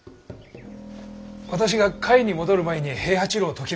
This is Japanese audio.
私が甲斐に戻る前に平八郎を説き伏せます。